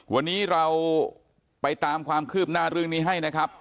วันนี้เราไปตามความคืบหน้าเรื่องนี้ให้นะครับ